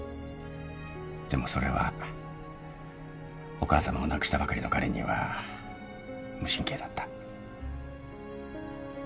でもそれはお母さまを亡くしたばかりの彼には無神経だった。